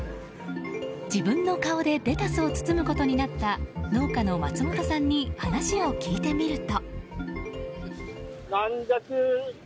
自分の顔でレタスを包むことになった農家の松本さんに話を聞いてみると。